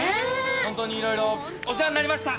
・ホントにいろいろお世話になりました。